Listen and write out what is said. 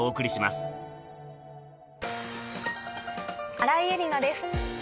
新井恵理那です